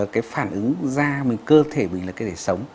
cái phản ứng da mình cơ thể mình là cái để sống